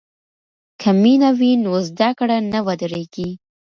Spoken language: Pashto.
که مینه وي نو زده کړه نه ودریږي.